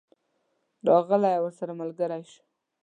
راغلی او راسره ملګری شو.